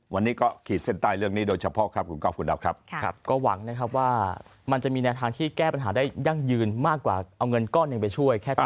วันนี้ก็ขีดเส้นใต้เรื่องนี้โดยเฉพาะครับคุณก้อคุณดาวครับก็หวังนะครับว่ามันจะมีแนวทางที่แก้ปัญหาได้ยั่งยืนมากกว่าเอาเงินก้อนหนึ่งไปช่วยแค่